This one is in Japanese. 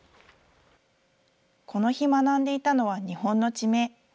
この日、学んでいたのは日本の地名。